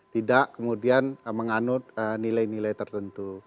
tidak kemudian menganut nilai nilai tertentu